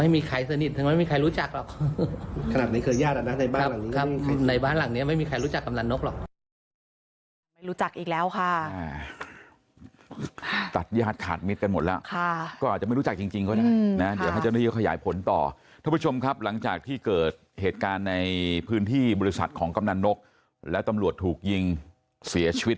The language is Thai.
เมื่อกี้กลับมาซื้นที่บริษัทของคำดับนกและตำรวจถูกยิงเศียชีวิต